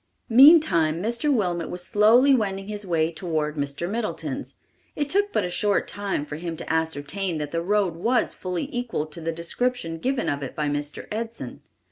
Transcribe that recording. Meantime Mr. Wilmot was slowly wending his way toward Mr. Middleton's. It took but a short time for him to ascertain that the road was fully equal to the description given of it by Mr. Edson.